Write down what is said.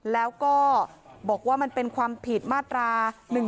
แล้วก็บอกว่ามันเป็นความผิดมาตรา๑๑๒